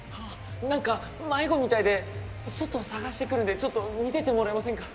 なんか迷子みたいで外捜してくるんでちょっと見ててもらえませんか？